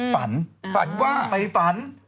ฝันไปฝัน